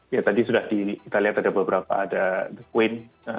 ya tadi sudah kita lihat ada beberapa ada the queen